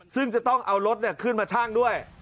ซึ่งจะต้องเอารถขึ้นมาชั่งด้วย